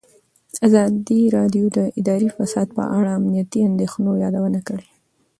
ازادي راډیو د اداري فساد په اړه د امنیتي اندېښنو یادونه کړې.